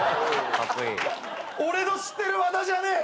俺の知ってる和田じゃねえ。